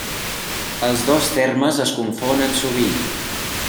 Els dos termes es confonen sovint.